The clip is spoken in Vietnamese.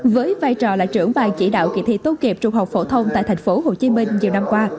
với vai trò là trưởng bàn chỉ đạo kỳ thi tốt nghiệp trung học phổ thông tại thành phố hồ chí minh nhiều năm qua